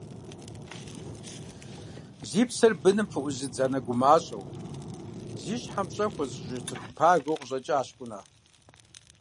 Зи псэр быным пыӏузыдз анэ гумащӏэу, зи щхьэм пщӏэ хуэзыщӏыж цӏыху пагэу къыщӏэкӏащ Кӏунэ.